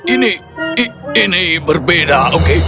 ini ini berbeda oke